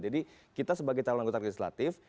jadi kita sebagai calon anggota legislatif